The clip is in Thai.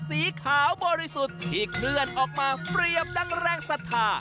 สีขาวบริสุทธิ์ที่เคลื่อนออกมาเปรียบดังแรงศรัทธา